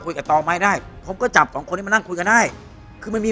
คุยกันต่อไม่ได้ผมก็จับ๒คนมานั่งคุยกันได้คือมันมี